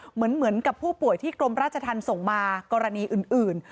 เหมือนกับผู้ป่วยที่กรมราชธรรมส่งมากรณีอื่น